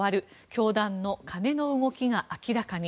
教団のカネの動きが明らかに。